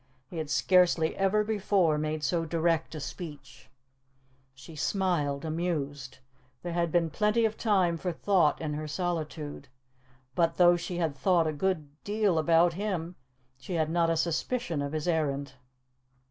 He had scarcely ever before made so direct a speech. She smiled, amused. There had been plenty of time for thought in her solitude; but, though she had thought a good deal about him, she had not a suspicion of his errand.